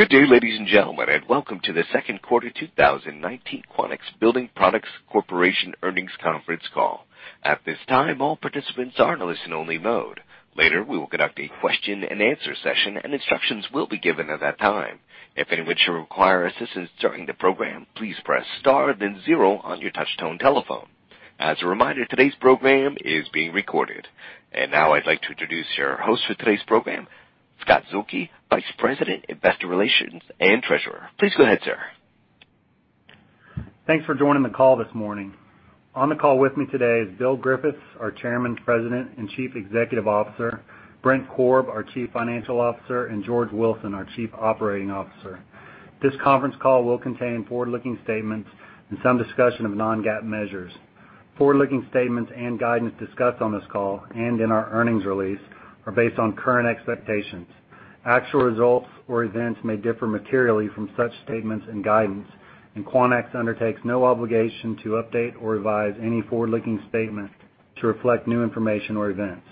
Good day, ladies and gentlemen, and welcome to the second quarter 2019 Quanex Building Products Corporation Earnings Conference Call. At this time, all participants are in listen only mode. Later, we will conduct a question and answer session and instructions will be given at that time. If anyone should require assistance during the program, please press star then 0 on your touchtone telephone. As a reminder, today's program is being recorded. Now I'd like to introduce your host for today's program, Scott Zuehlke, Vice President, Investor Relations and Treasurer. Please go ahead, sir. Thanks for joining the call this morning. On the call with me today is Bill Griffiths, our Chairman, President, and Chief Executive Officer, Brent Korb, our Chief Financial Officer, and George Wilson, our Chief Operating Officer. This conference call will contain forward-looking statements and some discussion of non-GAAP measures. Forward-looking statements and guidance discussed on this call and in our earnings release are based on current expectations. Actual results or events may differ materially from such statements and guidance. Quanex undertakes no obligation to update or revise any forward-looking statement to reflect new information or events.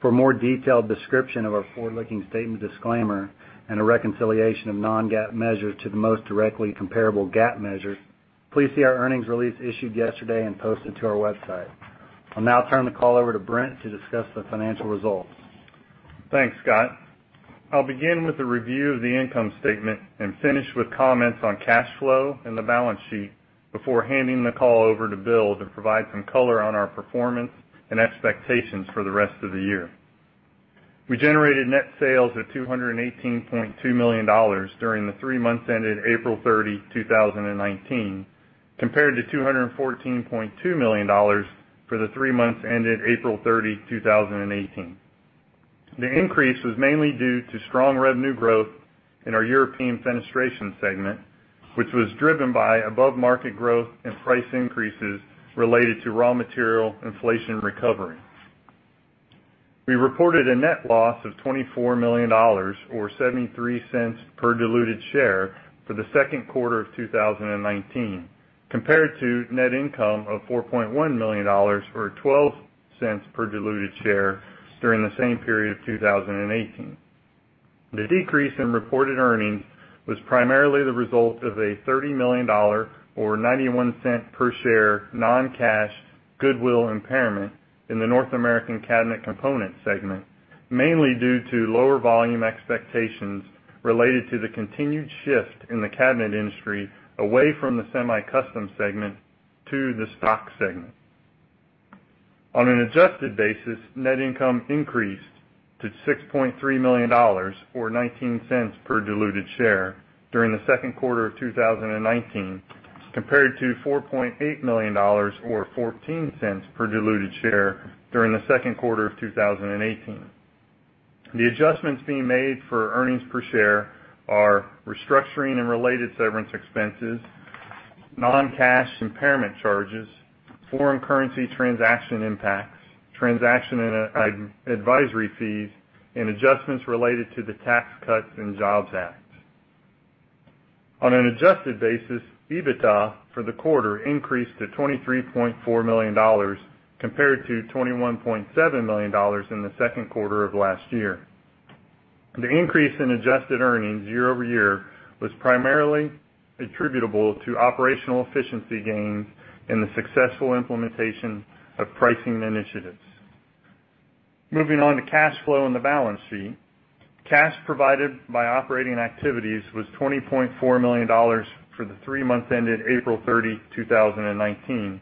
For more detailed description of our forward-looking statement disclaimer and a reconciliation of non-GAAP measures to the most directly comparable GAAP measures, please see our earnings release issued yesterday and posted to our website. I'll now turn the call over to Brent to discuss the financial results. Thanks, Scott. I'll begin with a review of the income statement and finish with comments on cash flow and the balance sheet before handing the call over to Bill to provide some color on our performance and expectations for the rest of the year. We generated net sales of $218.2 million during the three months ended April 30, 2019, compared to $214.2 million for the three months ended April 30, 2018. The increase was mainly due to strong revenue growth in our European Fenestration segment, which was driven by above-market growth and price increases related to raw material inflation recovery. We reported a net loss of $24 million or $0.73 per diluted share for the second quarter of 2019, compared to net income of $4.1 million or $0.12 per diluted share during the same period of 2018. The decrease in reported earnings was primarily the result of a $30 million or $0.91 per share non-cash goodwill impairment in the North American Cabinet Components segment, mainly due to lower volume expectations related to the continued shift in the cabinet industry away from the semi-custom segment to the stock segment. On an adjusted basis, net income increased to $6.3 million or $0.19 per diluted share during the second quarter of 2019, compared to $4.8 million or $0.14 per diluted share during the second quarter of 2018. The adjustments being made for earnings per share are restructuring and related severance expenses, non-cash impairment charges, foreign currency transaction impacts, transaction and advisory fees, and adjustments related to the Tax Cuts and Jobs Act. On an adjusted basis, EBITDA for the quarter increased to $23.4 million compared to $21.7 million in the second quarter of last year. The increase in adjusted earnings year-over-year was primarily attributable to operational efficiency gains and the successful implementation of pricing initiatives. Moving on to cash flow and the balance sheet. Cash provided by operating activities was $20.4 million for the three months ended April 30, 2019,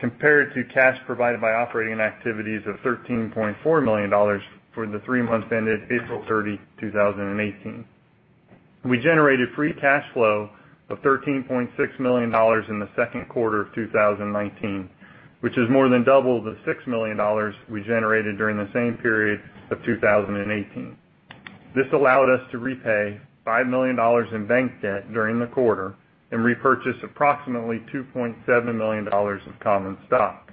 compared to cash provided by operating activities of $13.4 million for the three months ended April 30, 2018. We generated free cash flow of $13.6 million in the second quarter of 2019, which is more than double the $6 million we generated during the same period of 2018. This allowed us to repay $5 million in bank debt during the quarter and repurchase approximately $2.7 million of common stock.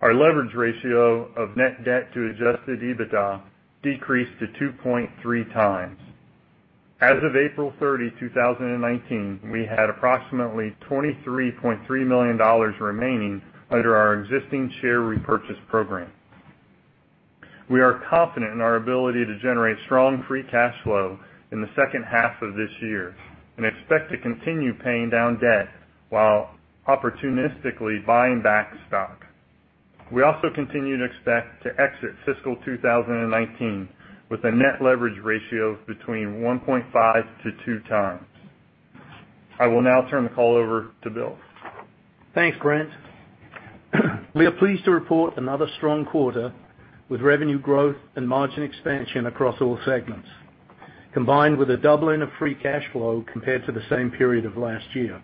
Our leverage ratio of net debt to adjusted EBITDA decreased to 2.3 times. As of April 30, 2019, we had approximately $23.3 million remaining under our existing share repurchase program. We are confident in our ability to generate strong free cash flow in the second half of this year and expect to continue paying down debt while opportunistically buying back stock. We also continue to expect to exit fiscal 2019 with a net leverage ratio of between 1.5 to 2 times. I will now turn the call over to Bill. Thanks, Brent. We are pleased to report another strong quarter with revenue growth and margin expansion across all segments, combined with a doubling of free cash flow compared to the same period of last year.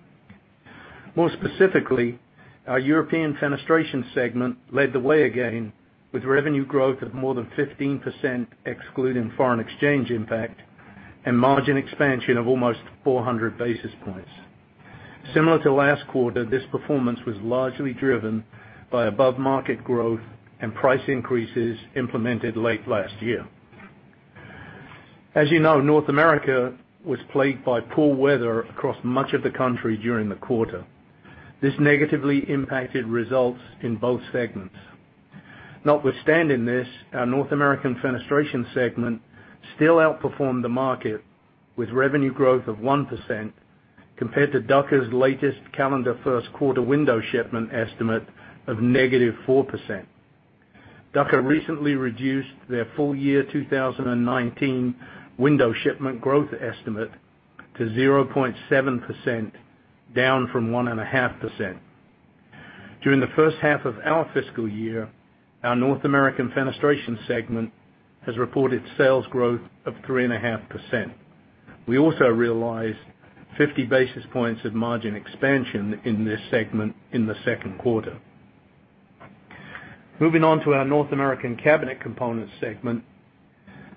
More specifically, our European Fenestration segment led the way again with revenue growth of more than 15%, excluding foreign exchange impact and margin expansion of almost 400 basis points. Similar to last quarter, this performance was largely driven by above-market growth and price increases implemented late last year. As you know, North America was plagued by poor weather across much of the country during the quarter. This negatively impacted results in both segments. Notwithstanding this, our North American Fenestration segment still outperformed the market with revenue growth of 1% compared to Ducker's latest calendar first quarter window shipment estimate of negative 4%. Ducker recently reduced their full year 2019 window shipment growth estimate to 0.7%, down from 1.5%. During the first half of our fiscal year, our North American Fenestration segment has reported sales growth of 3.5%. We also realized 50 basis points of margin expansion in this segment in the second quarter. Moving on to our North American Cabinet Components segment.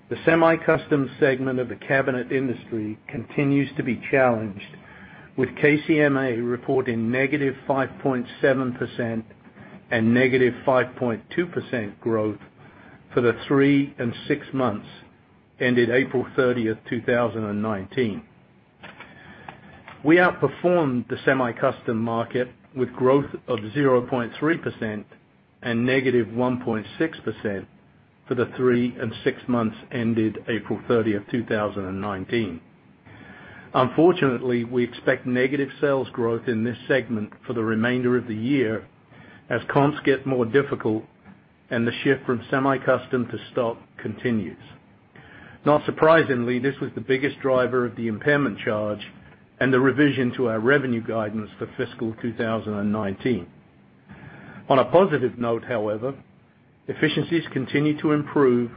The semi-custom segment of the cabinet industry continues to be challenged with KCMA reporting negative 5.7% and negative 5.2% growth for the three and six months ended April 30, 2019. We outperformed the semi-custom market with growth of 0.3% and negative 1.6% for the three and six months ended April 30, 2019. Unfortunately, we expect negative sales growth in this segment for the remainder of the year as comps get more difficult and the shift from semi-custom to stock continues. Not surprisingly, this was the biggest driver of the impairment charge and the revision to our revenue guidance for fiscal 2019. On a positive note, however, efficiencies continue to improve,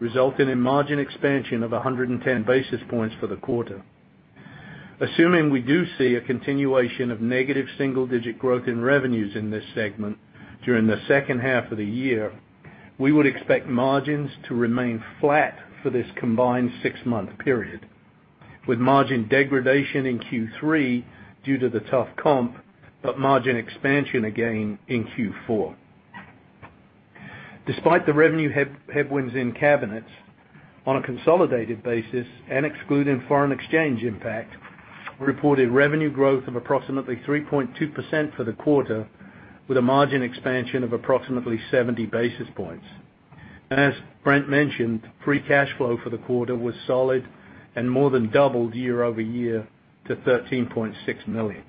resulting in margin expansion of 110 basis points for the quarter. Assuming we do see a continuation of negative single-digit growth in revenues in this segment during the second half of the year, we would expect margins to remain flat for this combined six-month period, with margin degradation in Q3 due to the tough comp, but margin expansion again in Q4. Despite the revenue headwinds in cabinets, on a consolidated basis and excluding foreign exchange impact, we reported revenue growth of approximately 3.2% for the quarter, with a margin expansion of approximately 70 basis points. As Brent mentioned, free cash flow for the quarter was solid and more than doubled year-over-year to $13.6 million.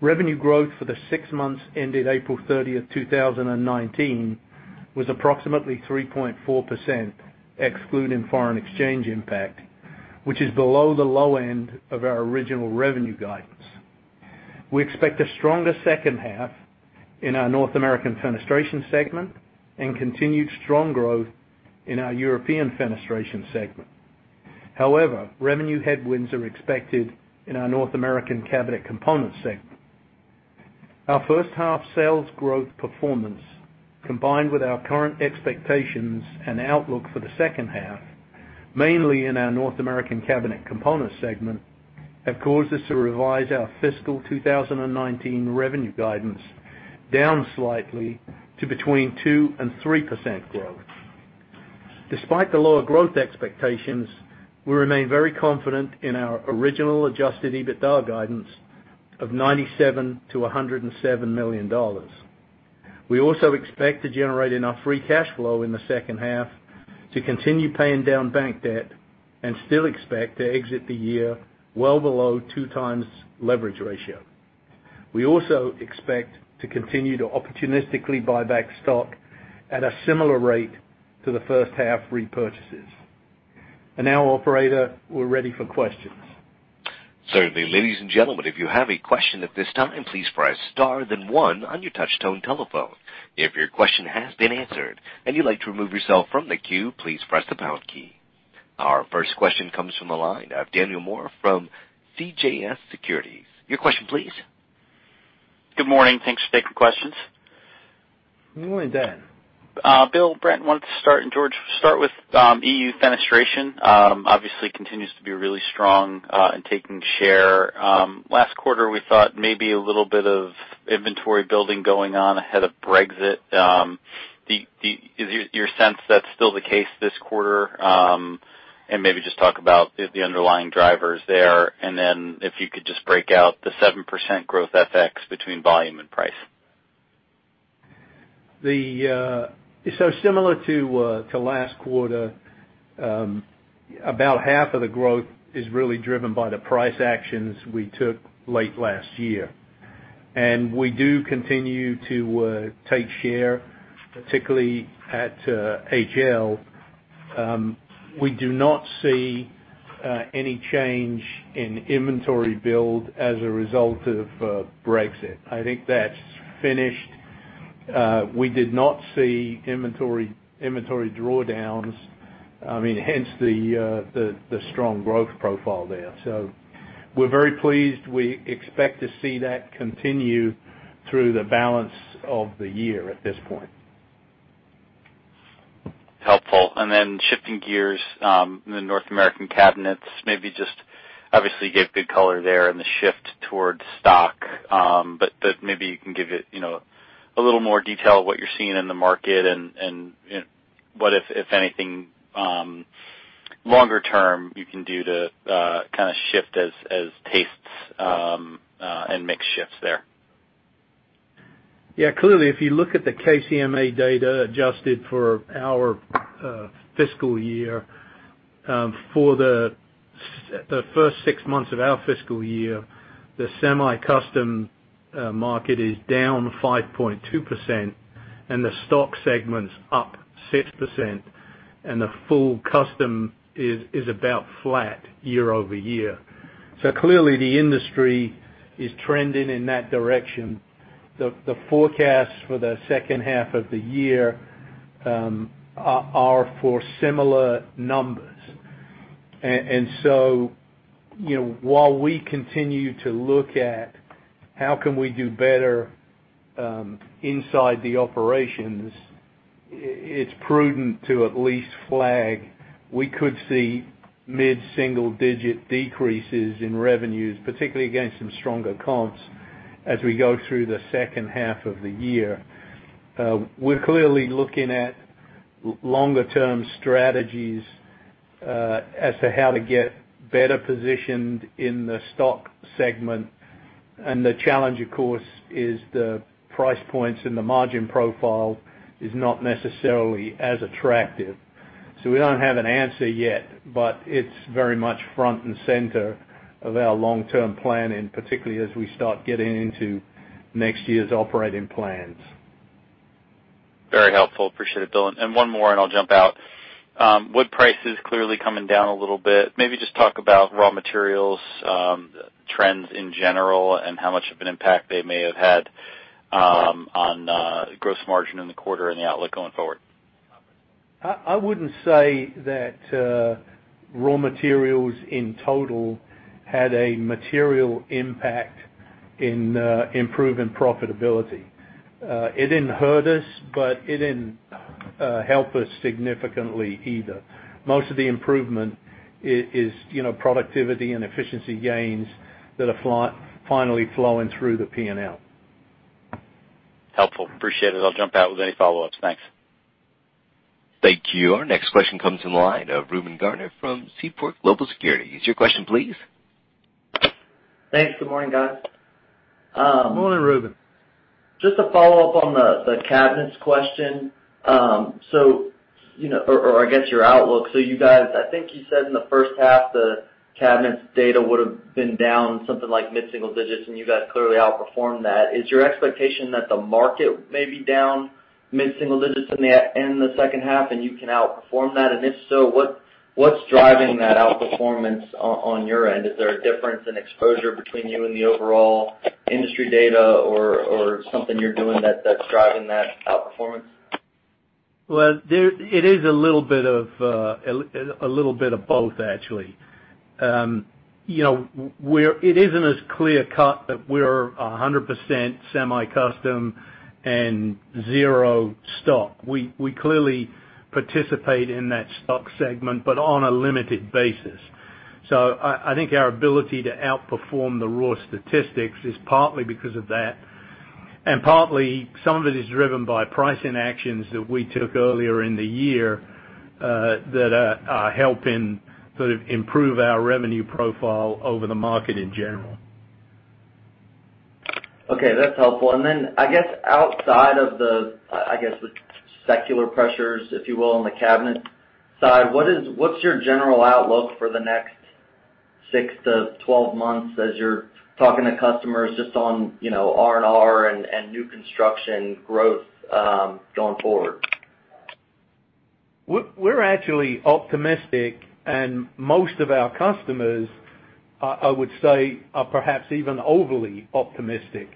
Revenue growth for the six months ended April 30th, 2019 was approximately 3.4%, excluding foreign exchange impact, which is below the low end of our original revenue guidance. We expect a stronger second half in our North American Fenestration segment and continued strong growth in our European Fenestration segment. Revenue headwinds are expected in our North American Cabinet Components segment. Our first half sales growth performance, combined with our current expectations and outlook for the second half, mainly in our North American Cabinet Components segment, have caused us to revise our fiscal 2019 revenue guidance down slightly to between 2% and 3% growth. Despite the lower growth expectations, we remain very confident in our original adjusted EBITDA guidance of $97 million-$107 million. We also expect to generate enough free cash flow in the second half to continue paying down bank debt and still expect to exit the year well below two times leverage ratio. We also expect to continue to opportunistically buy back stock at a similar rate to the first half repurchases. Now operator, we're ready for questions. Certainly. Ladies and gentlemen, if you have a question at this time, please press star then one on your touch-tone telephone. If your question has been answered and you'd like to remove yourself from the queue, please press the pound key. Our first question comes from the line of Daniel Moore from CJS Securities. Your question please. Good morning. Thanks for taking questions. Good morning, Dan. Bill, Brent, why don't we start, George, start with European Fenestration. Obviously continues to be really strong in taking share. Last quarter, we thought maybe a little bit of inventory building going on ahead of Brexit. Is your sense that's still the case this quarter? Maybe just talk about the underlying drivers there, then if you could just break out the 7% growth FX between volume and price. Similar to last quarter, about half of the growth is really driven by the price actions we took late last year. We do continue to take share, particularly at HL. We do not see any change in inventory build as a result of Brexit. I think that's finished. We did not see inventory drawdowns, hence the strong growth profile there. We're very pleased. We expect to see that continue through the balance of the year at this point. Helpful. Shifting gears, the North American Cabinet Components, obviously you gave good color there on the shift towards stock. Maybe you can give it a little more detail of what you're seeing in the market and what, if anything longer term you can do to kind of shift as tastes and mix shifts there? Yeah. Clearly, if you look at the KCMA data adjusted for our fiscal year, for the first six months of our fiscal year, the semi-custom market is down 5.2%, and the stock segment's up 6%, and the full custom is about flat year-over-year. Clearly the industry is trending in that direction. The forecasts for the second half of the year are for similar numbers. While we continue to look at how can we do better inside the operations, it's prudent to at least flag. We could see mid-single-digit decreases in revenues, particularly against some stronger comps, as we go through the second half of the year. We're clearly looking at longer term strategies as to how to get better positioned in the stock segment. The challenge, of course, is the price points and the margin profile is not necessarily as attractive. We don't have an answer yet, it's very much front and center of our long-term plan, particularly as we start getting into next year's operating plans. Very helpful. Appreciate it, Bill. One more and I'll jump out. Wood prices clearly coming down a little bit. Maybe just talk about raw materials trends in general and how much of an impact they may have had on gross margin in the quarter and the outlook going forward. I wouldn't say that raw materials in total had a material impact in improving profitability. It didn't hurt us, but it didn't help us significantly either. Most of the improvement is productivity and efficiency gains that are finally flowing through the P&L. Helpful. Appreciate it. I'll jump out with any follow-ups. Thanks. Thank you. Our next question comes in the line of Reuben Garner from Seaport Global Securities. Your question, please. Thanks. Good morning, guys. Morning, Reuben. Just a follow-up on the cabinets question. Or I guess your outlook. You guys, I think you said in the first half, the cabinets data would've been down something like mid-single digits, and you guys clearly outperformed that. Is your expectation that the market may be down mid-single digits in the second half, and you can outperform that? If so, what's driving that outperformance on your end? Is there a difference in exposure between you and the overall industry data or something you're doing that's driving that outperformance? Well, it is a little bit of both, actually. It isn't as clear cut that we're 100% semi-custom and zero stock. We clearly participate in that stock segment, but on a limited basis. I think our ability to outperform the raw statistics is partly because of that, and partly some of it is driven by pricing actions that we took earlier in the year, that are helping sort of improve our revenue profile over the market in general. Okay. That's helpful. I guess outside of the secular pressures, if you will, on the cabinet side, what's your general outlook for the next 6 to 12 months as you're talking to customers just on R&R and new construction growth going forward? We're actually optimistic and most of our customers, I would say are perhaps even overly optimistic.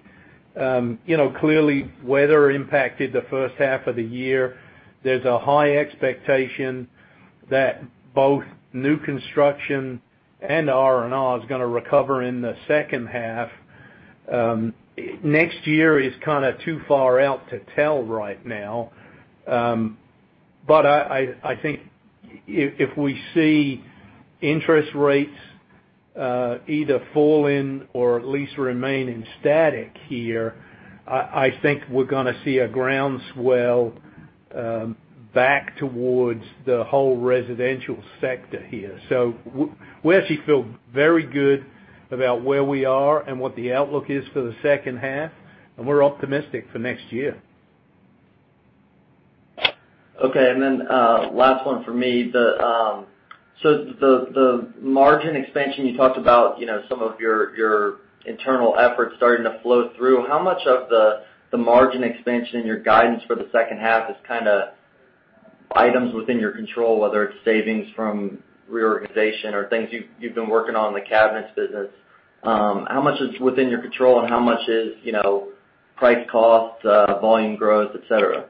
Clearly, weather impacted the first half of the year. There's a high expectation that both new construction and R&R is gonna recover in the second half. Next year is kind of too far out to tell right now. I think if we see interest rates either falling or at least remaining static here, I think we're gonna see a groundswell back towards the whole residential sector here. We actually feel very good about where we are and what the outlook is for the second half, and we're optimistic for next year. Okay, last one from me. The margin expansion you talked about, some of your internal efforts starting to flow through. How much of the margin expansion in your guidance for the second half is kind of items within your control, whether it's savings from reorganization or things you've been working on in the cabinets business. How much is within your control and how much is price cuts, volume growth, et cetera?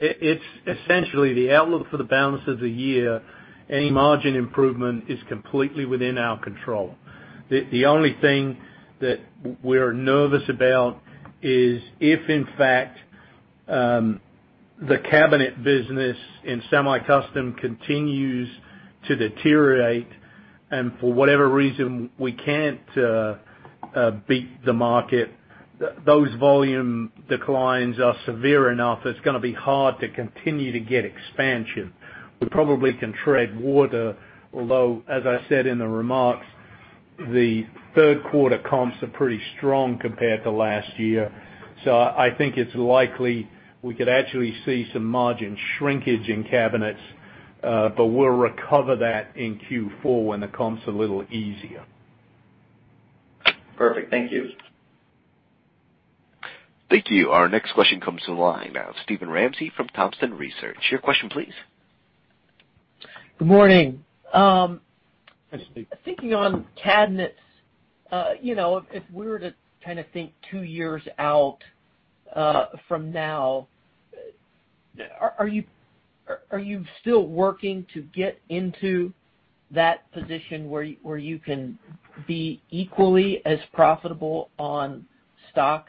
It's essentially the outlook for the balance of the year. Any margin improvement is completely within our control. The only thing that we're nervous about is if, in fact, the cabinet business in semi-custom continues to deteriorate. And for whatever reason, we can't beat the market, those volume declines are severe enough, it's going to be hard to continue to get expansion. We probably can tread water, although, as I said in the remarks, the third quarter comps are pretty strong compared to last year. I think it's likely we could actually see some margin shrinkage in cabinets, but we'll recover that in Q4 when the comp's a little easier. Perfect. Thank you. Thank you. Our next question comes to the line of Steven Ramsey from Thompson Research. Your question please. Good morning. Hi, Steve. Thinking on cabinets, if we were to kind of think two years out from now, are you still working to get into that position where you can be equally as profitable on stock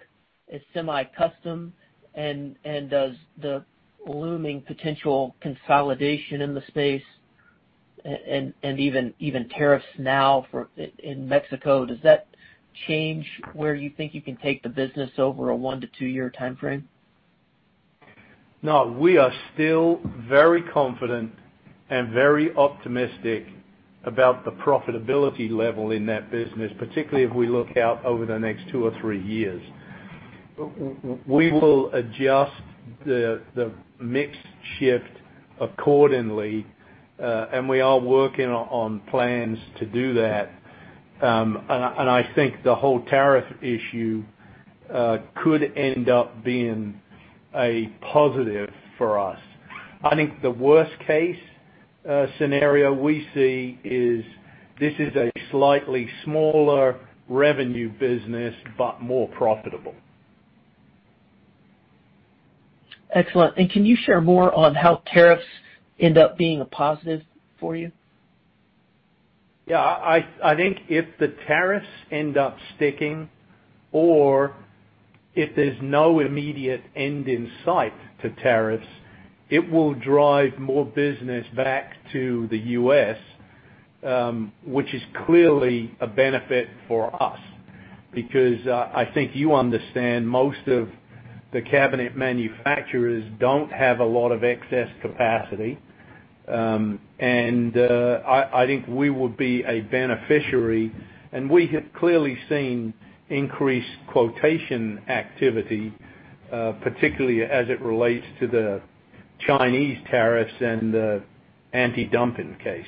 as semi-custom? Does the looming potential consolidation in the space, and even tariffs now in Mexico, does that change where you think you can take the business over a one to two-year timeframe? No. We are still very confident and very optimistic about the profitability level in that business, particularly if we look out over the next two or three years. We will adjust the mix shift accordingly, and we are working on plans to do that. I think the whole tariff issue could end up being a positive for us. I think the worst case scenario we see is this is a slightly smaller revenue business, but more profitable. Excellent. Can you share more on how tariffs end up being a positive for you? Yeah. I think if the tariffs end up sticking or if there's no immediate end in sight to tariffs, it will drive more business back to the U.S., which is clearly a benefit for us because, I think you understand, most of the cabinet manufacturers don't have a lot of excess capacity. I think we would be a beneficiary, and we have clearly seen increased quotation activity, particularly as it relates to the Chinese tariffs and the anti-dumping case.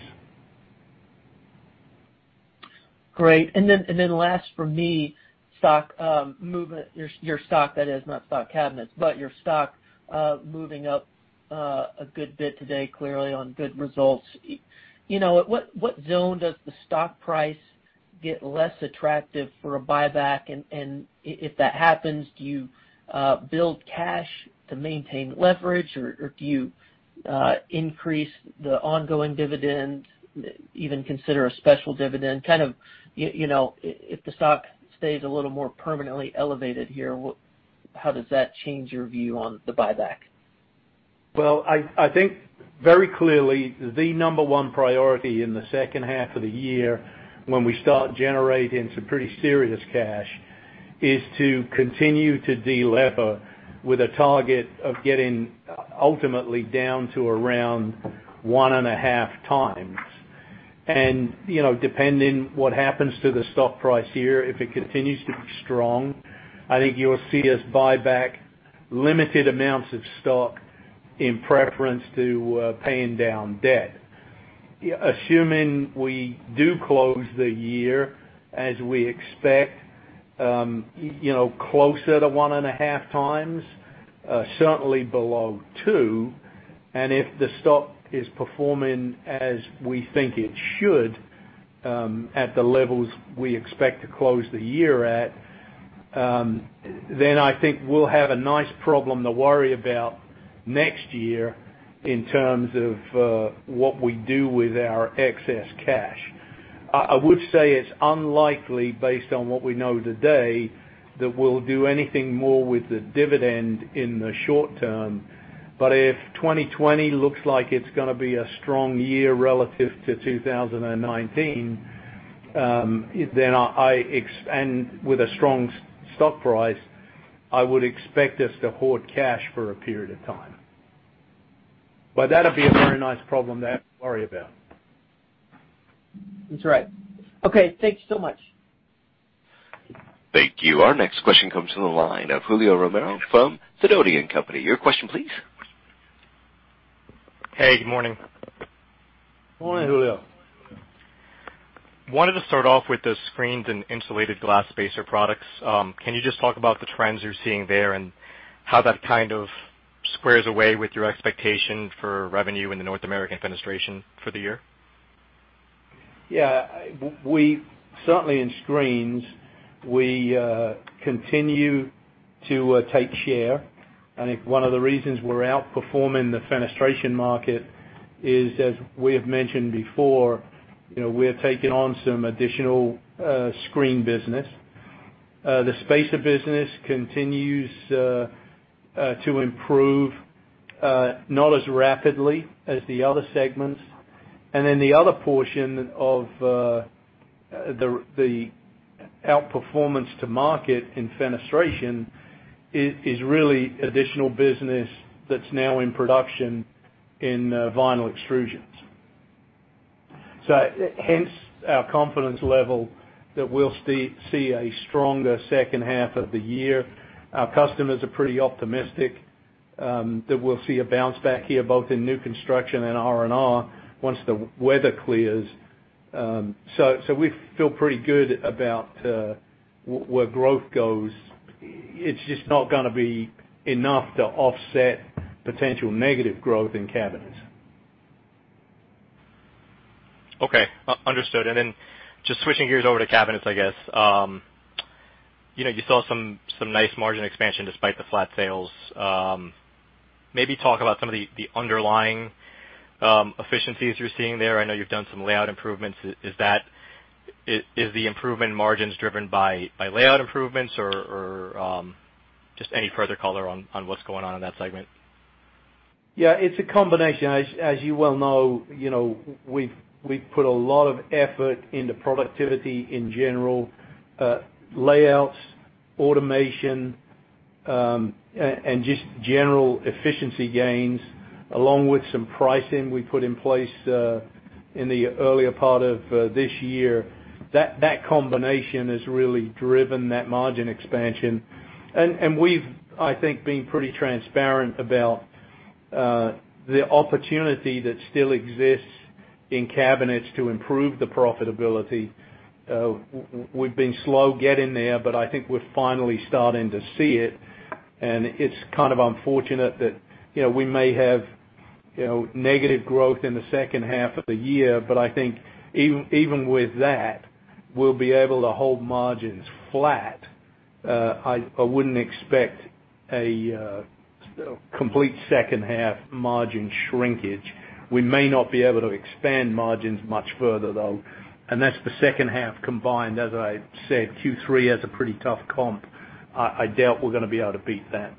Great. Last from me, stock, movement, your stock that is, not stock cabinets, but your stock, moving up a good bit today, clearly on good results. At what zone does the stock price get less attractive for a buyback? If that happens, do you build cash to maintain leverage, or do you increase the ongoing dividend, even consider a special dividend? If the stock stays a little more permanently elevated here, how does that change your view on the buyback? Well, I think very clearly the number one priority in the second half of the year when we start generating some pretty serious cash is to continue to delever with a target of getting ultimately down to around one and a half times. Depending what happens to the stock price here, if it continues to be strong, I think you'll see us buy back limited amounts of stock in preference to paying down debt. Assuming we do close the year as we expect, closer to one and a half times, certainly below two, if the stock is performing as we think it should, at the levels we expect to close the year at, then I think we'll have a nice problem to worry about next year in terms of what we do with our excess cash. I would say it's unlikely, based on what we know today, that we'll do anything more with the dividend in the short term. If 2020 looks like it's going to be a strong year relative to 2019, with a strong stock price, I would expect us to hoard cash for a period of time. That'll be a very nice problem to have to worry about. That's right. Okay, thank you so much. Thank you. Our next question comes from the line of Julio Romero from Sidoti & Company. Your question please. Hey, good morning. Morning, Julio. Wanted to start off with the screens and insulated glass spacer products. Can you just talk about the trends you're seeing there and how that kind of squares away with your expectation for revenue in the North American Fenestration for the year? Yeah. Certainly in screens, we continue to take share. I think one of the reasons we're outperforming the fenestration market is, as we have mentioned before, we're taking on some additional screen business. The spacer business continues to improve, not as rapidly as the other segments. The other portion of the outperformance to market in fenestration is really additional business that's now in production in vinyl extrusions. Hence our confidence level that we'll see a stronger second half of the year. Our customers are pretty optimistic that we'll see a bounce back here, both in new construction and R&R once the weather clears. We feel pretty good about where growth goes. It's just not going to be enough to offset potential negative growth in cabinets. Okay, understood. Just switching gears over to cabinets, I guess. You saw some nice margin expansion despite the flat sales. Maybe talk about some of the underlying efficiencies you're seeing there. I know you've done some layout improvements. Is the improvement in margins driven by layout improvements or just any further color on what's going on in that segment? Yeah, it's a combination. As you well know, we've put a lot of effort into productivity in general. Layouts, automation, and just general efficiency gains, along with some pricing we put in place in the earlier part of this year. That combination has really driven that margin expansion. We've, I think, been pretty transparent about the opportunity that still exists in cabinets to improve the profitability. We've been slow getting there, but I think we're finally starting to see it. It's kind of unfortunate that we may have negative growth in the second half of the year, but I think even with that, we'll be able to hold margins flat. I wouldn't expect a complete second half margin shrinkage. We may not be able to expand margins much further, though, and that's the second half combined. As I said, Q3 has a pretty tough comp. I doubt we're going to be able to beat that.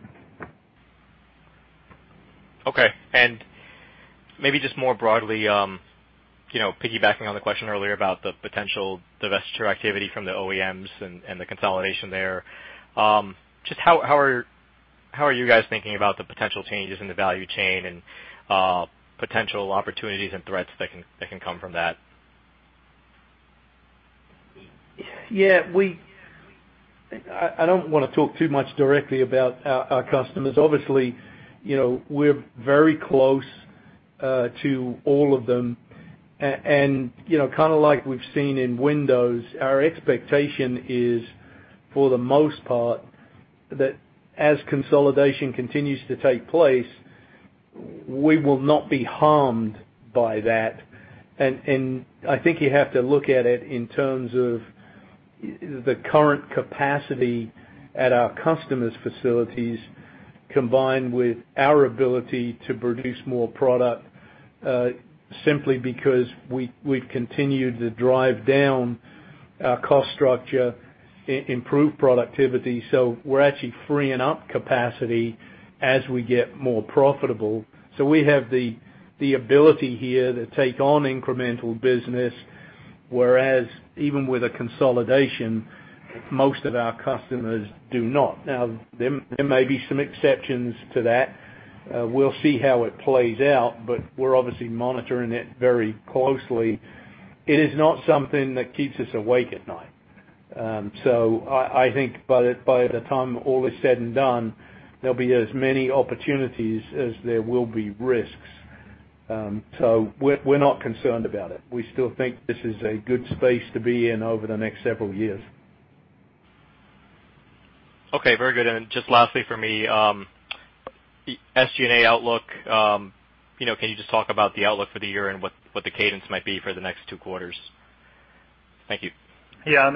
Okay. Maybe just more broadly, piggybacking on the question earlier about the potential divestiture activity from the OEMs and the consolidation there. Just how are you guys thinking about the potential changes in the value chain and potential opportunities and threats that can come from that? Yeah. I don't want to talk too much directly about our customers. Obviously, we're very close to all of them. Like we've seen in windows, our expectation is, for the most part, that as consolidation continues to take place, we will not be harmed by that. I think you have to look at it in terms of the current capacity at our customers' facilities, combined with our ability to produce more product, simply because we've continued to drive down our cost structure, improve productivity. We're actually freeing up capacity as we get more profitable. We have the ability here to take on incremental business, whereas even with a consolidation, most of our customers do not. Now, there may be some exceptions to that. We'll see how it plays out, but we're obviously monitoring it very closely. It is not something that keeps us awake at night. I think by the time all is said and done, there'll be as many opportunities as there will be risks. We're not concerned about it. We still think this is a good space to be in over the next several years. Okay, very good. Just lastly for me, the SG&A outlook. Can you just talk about the outlook for the year and what the cadence might be for the next two quarters? Thank you. Yeah.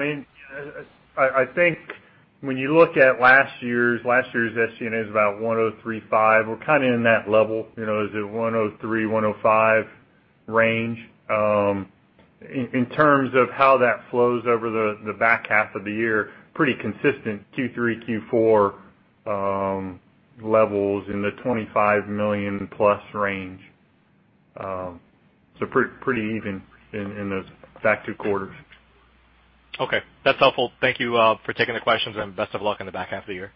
I think when you look at last year's, last year's SG&A is about $103.5. We're kind of in that level. Is it $103-$105 range? In terms of how that flows over the back half of the year, pretty consistent Q3, Q4 levels in the $25 million-plus range. Pretty even in those back two quarters. Okay, that's helpful. Thank you for taking the questions, and best of luck on the back half of the year.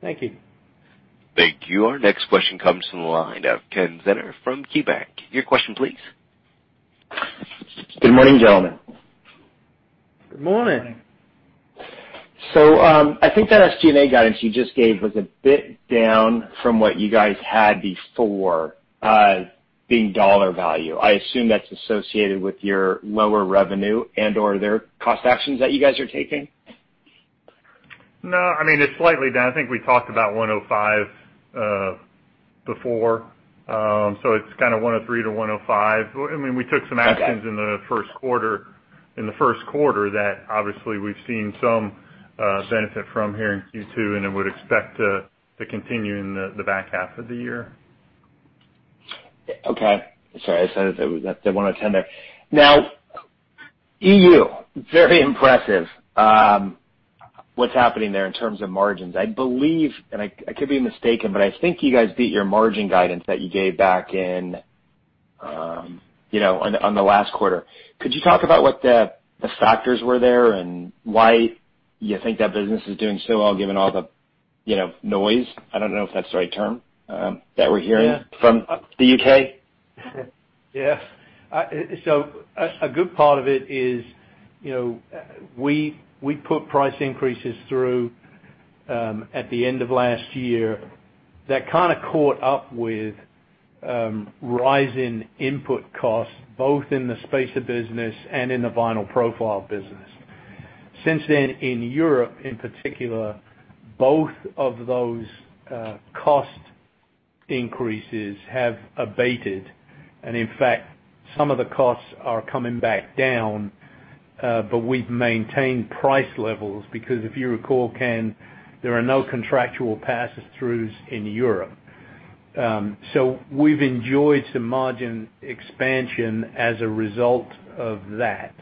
Thank you. Thank you. Our next question comes from the line of Kenneth Zener from KeyBanc. Your question please. Good morning, gentlemen. Good morning. Morning. I think that SG&A guidance you just gave was a bit down from what you guys had before, being dollar value. I assume that's associated with your lower revenue and/or are there cost actions that you guys are taking? No, it's slightly down. I think we talked about 105 before. It's kind of 103 to 105. We took some actions- Okay in the first quarter that obviously we've seen some benefit from here in Q2, and then would expect to continue in the back half of the year. Okay. Sorry, I said it was the one attender. E.U., very impressive, what's happening there in terms of margins. I believe, and I could be mistaken, but I think you guys beat your margin guidance that you gave back on the last quarter. Could you talk about what the factors were there, and why you think that business is doing so well given all the noise, I don't know if that's the right term, that we're hearing from the U.K.? A good part of it is, we put price increases through at the end of last year that kind of caught up with rising input costs, both in the spacer business and in the vinyl profile business. Since then, in Europe in particular, both of those cost increases have abated. In fact, some of the costs are coming back down, but we've maintained price levels, because if you recall, Ken, there are no contractual passes throughs in Europe. We've enjoyed some margin expansion as a result of that.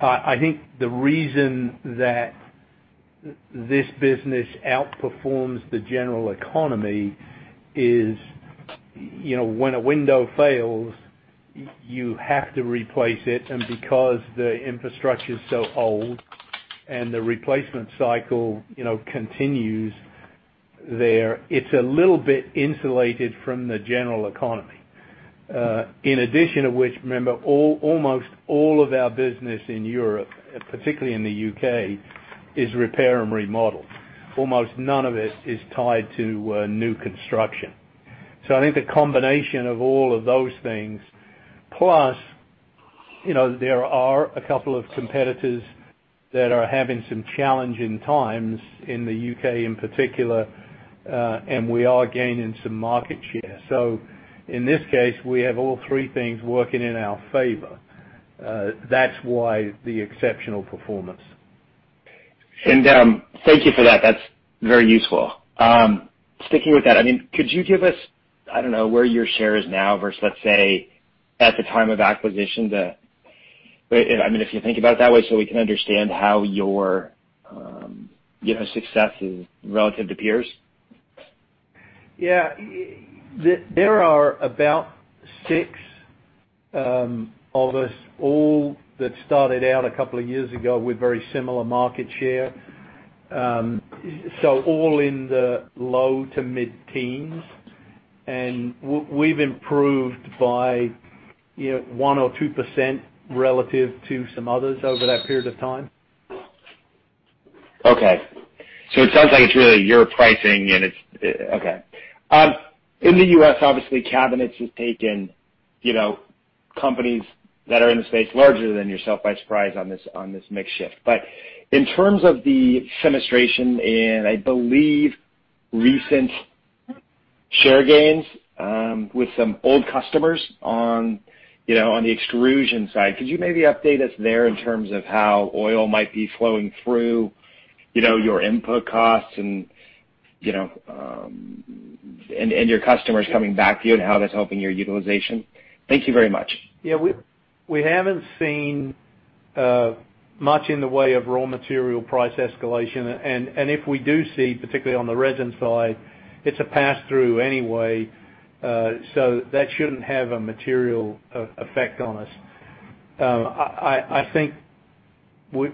I think the reason that this business outperforms the general economy is, when a window fails, you have to replace it. Because the infrastructure's so old and the replacement cycle continues there, it's a little bit insulated from the general economy. In addition of which, remember, almost all of our business in Europe, particularly in the U.K., is repair and remodel. Almost none of it is tied to new construction. I think the combination of all of those things, plus there are a couple of competitors that are having some challenging times in the U.K. in particular, and we are gaining some market share. In this case, we have all three things working in our favor. That's why the exceptional performance. Thank you for that. That's very useful. Sticking with that, could you give us, I don't know, where your share is now versus, let's say, at the time of acquisition? If you think about it that way, we can understand how your success is relative to peers. Yeah. There are about six of us, all that started out a couple of years ago with very similar market share. All in the low to mid-teens. We've improved by 1% or 2% relative to some others over that period of time. Okay. It sounds like it's really your pricing and it's okay. In the U.S., obviously, cabinets has taken companies that are in the space larger than yourself by surprise on this mix shift. In terms of the fenestration and I believe recent share gains with some old customers on the extrusion side, could you maybe update us there in terms of how oil might be flowing through your input costs and your customers coming back to you and how that's helping your utilization? Thank you very much. Yeah. We haven't seen much in the way of raw material price escalation. If we do see, particularly on the resin side, it's a pass-through anyway, that shouldn't have a material effect on us. I think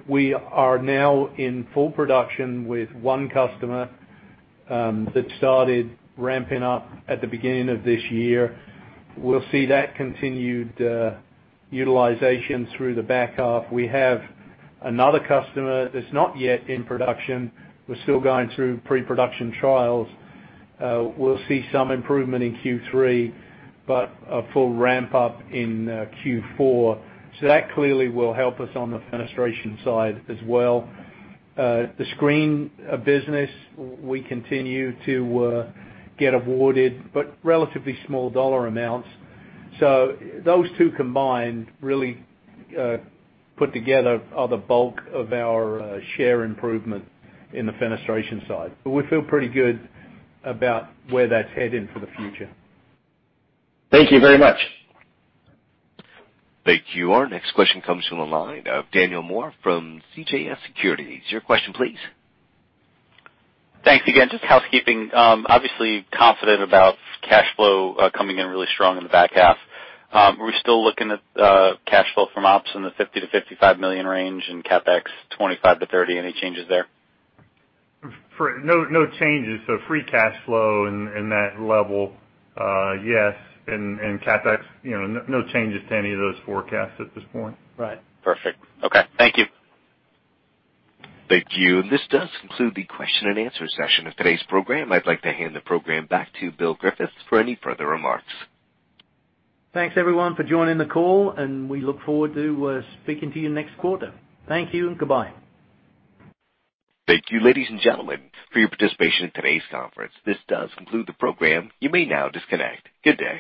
we are now in full production with one customer that started ramping up at the beginning of this year. We'll see that continued utilization through the back half. We have another customer that's not yet in production. We're still going through pre-production trials. We'll see some improvement in Q3, but a full ramp-up in Q4. That clearly will help us on the fenestration side as well. The screen business, we continue to get awarded, but relatively small dollar amounts. Those two combined really put together the bulk of our share improvement in the fenestration side. We feel pretty good about where that's heading for the future. Thank you very much. Thank you. Our next question comes from the line of Daniel Moore from CJS Securities. Your question, please. Thanks again. Just housekeeping. Obviously confident about cash flow coming in really strong in the back half. Are we still looking at cash flow from ops in the $50 million-$55 million range and CapEx $25-$30? Any changes there? No changes. Free cash flow in that level. Yes. CapEx, no changes to any of those forecasts at this point. Right. Perfect. Okay. Thank you. Thank you. This does conclude the question and answer session of today's program. I'd like to hand the program back to Bill Griffiths for any further remarks. Thanks everyone for joining the call. We look forward to speaking to you next quarter. Thank you and goodbye. Thank you, ladies and gentlemen, for your participation in today's conference. This does conclude the program. You may now disconnect. Good day.